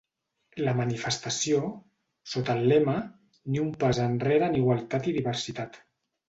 La manifestació, sota el lema Ni un pas enrere en igualtat i diversitat.